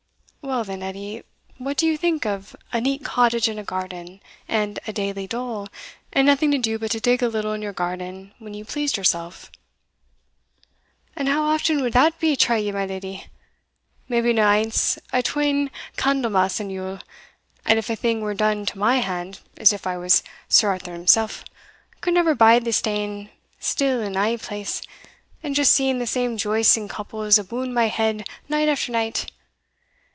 "Well, then, Edie, what do you think of a neat cottage and a garden, and a daily dole, and nothing to do but to dig a little in your garden when you pleased yourself?" "And how often wad that be, trow ye, my leddy? maybe no ance atween Candlemas and Yule and if a' thing were done to my hand, as if I was Sir Arthur himsell, I could never bide the staying still in ae place, and just seeing the same joists and couples aboon my head night after night.